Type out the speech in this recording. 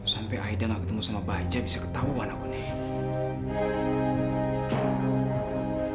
sampai aida gak ketemu sama baja bisa ketahuan aku nih